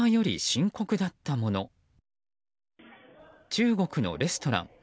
中国のレストラン。